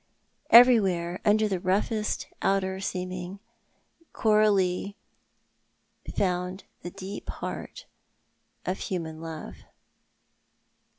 Everywhere under the roughest outer seeming Coralie found the deep heart of human love.